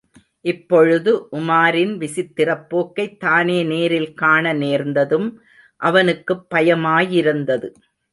இப்பொழுது உமாரின் விசித்திரப் போக்கைத் தானே நேரில் காண நேர்ந்ததும் அவனுக்குப் பயமாயிருந்தது.